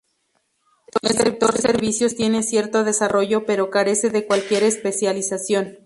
El sector servicios tiene cierto desarrollo pero carece de cualquier especialización.